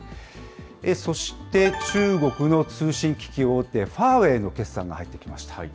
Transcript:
そして、中国の通信機器大手、ファーウェイの決算が入ってきました。